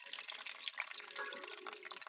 راهسک وزیراکبر شو ستا له هرې تاترې نه